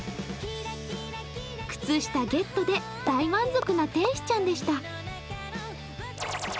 靴下ゲットで大満足な天使ちゃんでした。